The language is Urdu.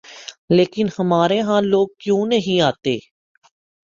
لیکن ہمارے ہاں لوگ کیوں نہیں آتے؟